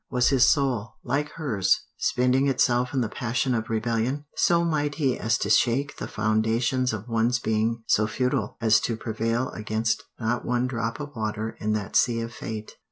Was his soul, like hers, spending itself in the passion of rebellion so mighty as to shake the foundations of one's being, so futile as to prevail against not one drop of water in that sea of fate?